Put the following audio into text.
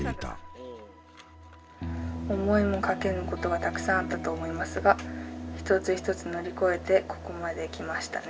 「思いもかけぬことがたくさんあったと思いますが１つ１つ乗り越えてここまで来ましたね。